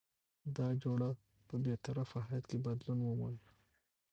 دا جوړه په بې طرفه حد کې بدلون وموند؛